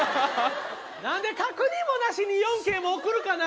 何で確認もなしに４京も送るかな。